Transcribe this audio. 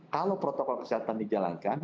kalau protokol kesehatan dijalankan